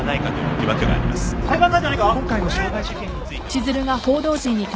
今回の傷害事件について。